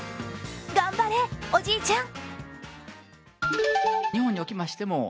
頑張れおじいちゃん！